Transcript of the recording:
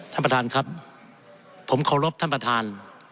ท่านประธานครับผมเคารพท่านประธาน